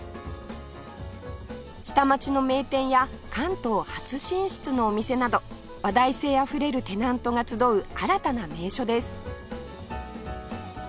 下町の名店や関東初進出のお店など話題性あふれるテナントが集う新たな名所です